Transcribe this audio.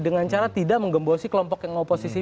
dengan cara tidak menggembosi kelompok yang oposisi